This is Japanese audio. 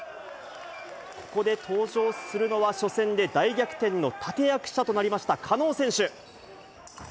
ここで登場するのは、初戦で大逆転の立て役者となりました加納選手。